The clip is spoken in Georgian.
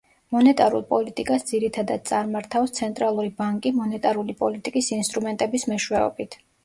მონეტარულ პოლიტიკას ძირითადად წარმართავს ცენტრალური ბანკი მონეტარული პოლიტიკის ინსტრუმენტების მეშვეობით.